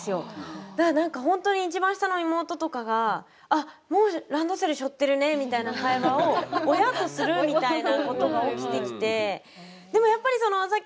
だから何か本当に一番下の妹とかがもうランドセル背負ってるねみたいな会話を親とするみたいなことが起きてきて。